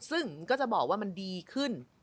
ซึ่งก็จะบอกว่ามันดีขึ้น